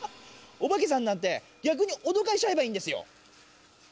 オバケさんなんてぎゃくにおどかしちゃえばいいんですよ！